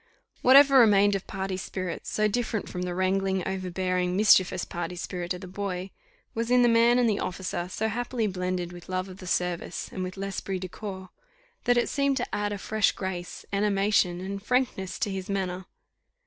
Whatever remained of party spirit, so different from the wrangling, overbearing, mischievous party spirit of the boy, was in the man and the officer so happily blended with love of the service, and with l'esprit de corps, that it seemed to add a fresh grace, animation, and frankness to his manner.